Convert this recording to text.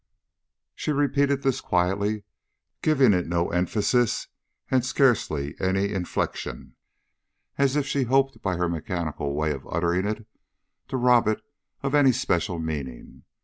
'" She repeated this quietly, giving it no emphasis and scarcely any inflection, as if she hoped by her mechanical way of uttering it to rob it of any special meaning.